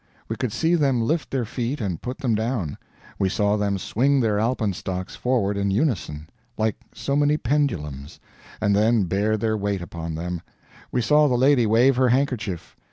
We could see them lift their feet and put them down; we saw them swing their alpenstocks forward in unison, like so many pendulums, and then bear their weight upon them; we saw the lady wave her handkerchief.